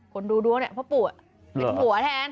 คนดูดวงเนี่ยเพราะปู่ไปดูดวงแทน